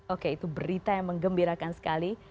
oke itu berita yang mengembirakan sekali